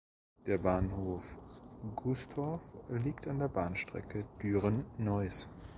Der Bahnhof Gustorf liegt an der Bahnstrecke Düren–Neuss.